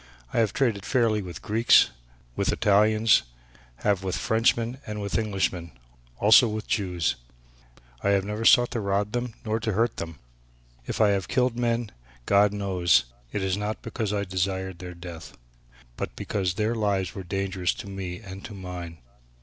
I have traded fairly with Greeks, with Italians, have with Frenchmen and with Englishmen, also with Jews. I have never sought to rob them nor to hurt them. If I have killed men, God knows it was not because I desired their death, but because their lives were dangerous to me and to mine.